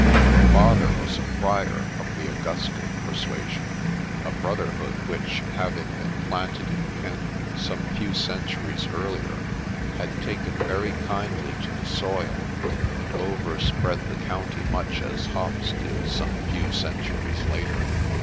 The Father was a friar of the Augustine persuasion ; a brother hood which, having been planted in Kent some few centuries earlier, had taken very kindly to the soil, and overspread the county much as hops did some few centuries later.